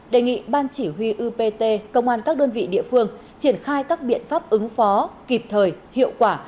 đề nghị ban chỉ huy upt công an các đơn vị địa phương triển khai các biện pháp ứng phó kịp thời hiệu quả